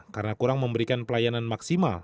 karena kurang memberikan pelayanan maksimal